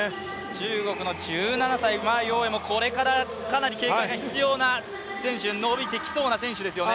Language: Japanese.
中国の１７歳、馬永慧もこれからかなり警戒が必要な選手、伸びてきそうな選手ですよね。